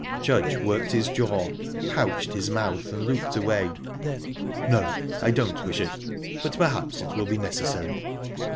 Judge worked his jaw, pouched his mouth, and looked away. "No, I don't wish it; but perhaps it will be necessary."